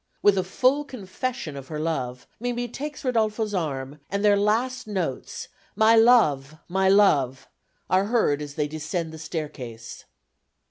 With a full confession of her love, Mimi takes Rodolfo's arm, and their last notes, "My love, my love," are heard as they descend the staircase.